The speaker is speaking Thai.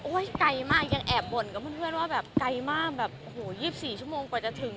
ไกลมากยังแอบบ่นกับเพื่อนว่าแบบไกลมากแบบโอ้โห๒๔ชั่วโมงกว่าจะถึง